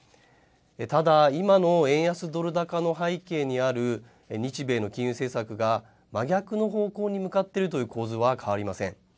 ただ、今の円安ドル高の背景にある、日米の金融政策が、真逆の方向に向かっているという構図は変わりません。